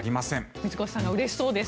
水越さんがうれしそうです。